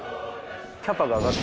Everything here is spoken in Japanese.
「キャパが上がって」